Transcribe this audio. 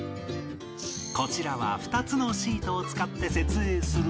こちらは２つのシートを使って設営するが